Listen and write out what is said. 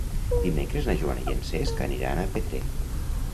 Dimecres na Joana i en Cesc aniran a Petrer.